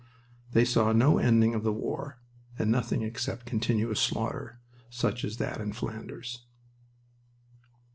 They saw no ending of the war, and nothing except continuous slaughter, such as that in Flanders.